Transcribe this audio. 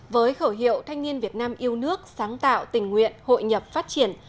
với khẩu hiệu thanh niên việt nam yêu nước sáng tạo tình nguyện hội nhập phát triển